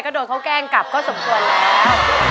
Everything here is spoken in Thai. ก็โดนเขาแกล้งกลับก็สมควรแล้ว